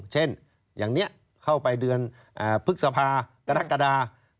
เช่นอย่างนี้เข้าไปเดือนพฤษภากรกฎา